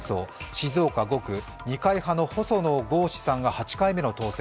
静岡５区、二階派の細野豪志さんが８回目の当選。